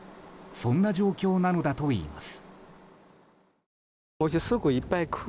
そんな状況なのだといいます。